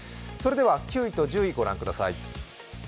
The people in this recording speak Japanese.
９位と１０位ご覧ください。